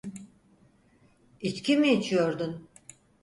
İçki mi içiyordun?